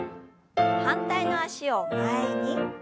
反対の脚を前に。